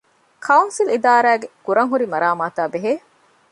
ކައުންސިލް އިދާރާގައި ކުރަންހުރި މަރާމާތާބެހޭ